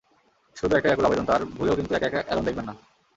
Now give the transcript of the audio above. শুধু একটাই আকুল আবেদন তাঁর, ভুলেও কিন্তু একা একা অ্যালোন দেখবেন না।